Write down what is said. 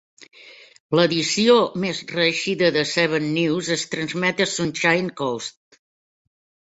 L'edició més reeixida de "Seven News" es transmet a Sunshine Coast.